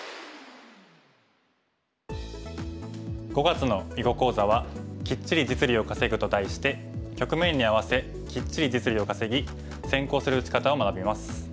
５月の囲碁講座は「キッチリ実利を稼ぐ」と題して局面に合わせキッチリ実利を稼ぎ先行する打ち方を学びます。